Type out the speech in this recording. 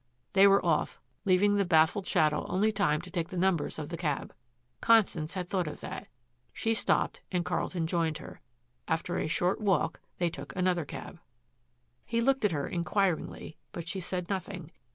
They were off, leaving the baffled shadow only time to take the numbers of the cab. Constance had thought of that. She stopped and Carlton joined her. After a short walk they took another cab. He looked at her inquiringly, but she said nothing.